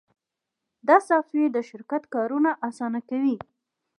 دا سافټویر د شرکت کارونه اسانه کوي.